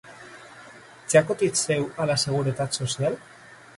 Ja cotitzeu a la seguretat social?